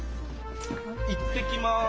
行ってきます。